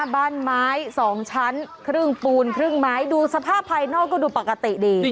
บ้านไม้๒ชั้นครึ่งปูนครึ่งไม้ดูสภาพภายนอกก็ดูปกติดี